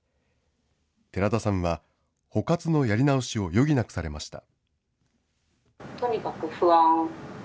寺田さんは、保活のやり直しを余儀なくされました。